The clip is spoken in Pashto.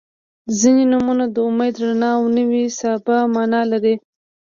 • ځینې نومونه د امید، رڼا او نوې سبا معنا لري.